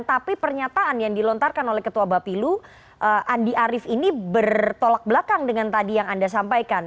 tapi pernyataan yang dilontarkan oleh ketua bapilu andi arief ini bertolak belakang dengan tadi yang anda sampaikan